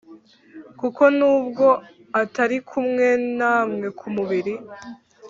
Kuko nubwo ntari kumwe namwe ku mubiri